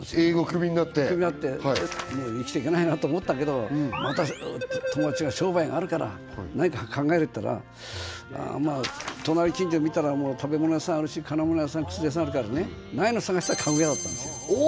営業クビになってクビになってもう生きていけないなと思ったけどまた友達が商売があるから何か考えてたら隣近所見たらもう食べ物屋さんあるし金物屋さん薬屋さんあるからねないの探したら家具屋だったんですよ